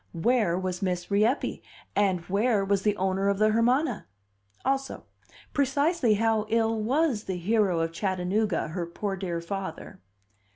Where was Miss Rieppe, and where was the owner of the Hermana? Also, precisely how ill was the hero of Chattanooga, her poor dear father?